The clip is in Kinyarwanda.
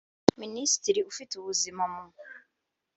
Minisitiri ufite ubuzima mu